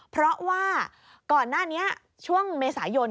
เพราะว่าก่อนหน้านี้ช่วงเมษายน